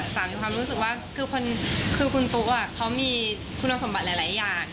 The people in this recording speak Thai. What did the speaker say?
มีความรู้สึกว่าคือคุณตุ๊กเขามีคุณสมบัติหลายอย่าง